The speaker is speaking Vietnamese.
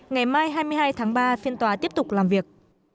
ngày mai hai mươi hai tháng ba phiên tòa tiếp tục làm việc